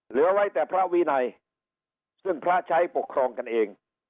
เหลือไว้แต่พระวินัยซึ่งพระใช้ปกครองกันเอง